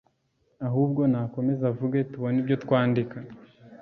ahubwo nakomeze avuge tubone ibyo twandika